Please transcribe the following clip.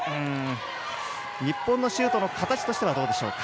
日本のシュートの形としてはどうでしょうか。